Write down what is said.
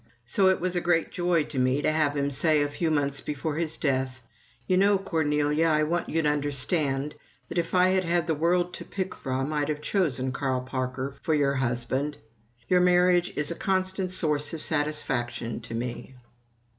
So it was a great joy to me to have him say, a few months before his death, "You know, Cornelia, I want you to understand that if I had had the world to pick from I'd have chosen Carl Parker for your husband. Your marriage is a constant source of satisfaction to me."